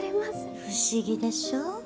不思議でしょう？